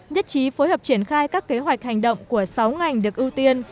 nhất trí phối hợp triển khai các kế hoạch hành động của sáu ngành được ưu tiên